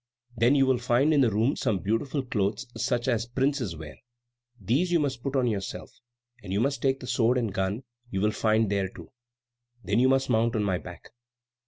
Then you will find in the room some beautiful clothes such as princes wear; these you must put on yourself; and you must take the sword and gun you will find there too. Then you must mount on my back."